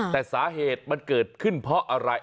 แต่สาเหตุมันเกิดขึ้นเพราะอะไร